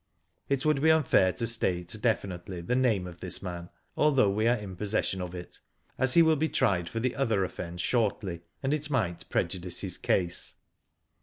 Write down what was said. It would be unfair to state definitely the name of this man, although we are in possession of it, as he will be tried for the other offence shortly, and it might prejudice his case.